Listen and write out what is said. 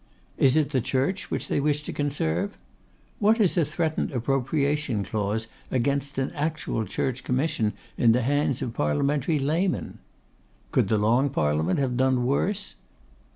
Is it the Church which they wish to conserve? What is a threatened Appropriation Clause against an actual Church Commission in the hands of Parliamentary Laymen? Could the Long Parliament have done worse?